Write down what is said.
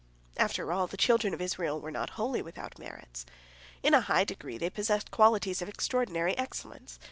After all, the children of Israel were not wholly without merits. In a high degree they possessed qualities of extraordinary excellence.